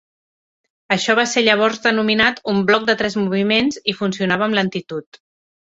Això va ser llavors denominat un "bloc de tres moviments" i funcionava amb lentitud.